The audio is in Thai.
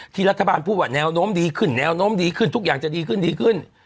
รัฐบาลพูดว่าแนวโน้มดีขึ้นแนวโน้มดีขึ้นทุกอย่างจะดีขึ้นดีขึ้น